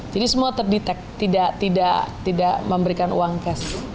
jadi semua terdetek tidak memberikan uang cash